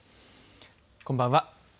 こんばんは。